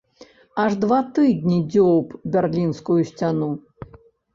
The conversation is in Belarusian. Аж два тыдні дзёўб берлінскую сцяну.